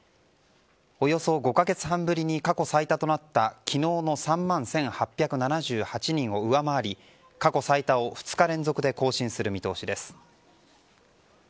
およそ５か月半ぶりに過去最多となった昨日の３万１８７８人を上回り過去最多を２日連続で更新する見通しです。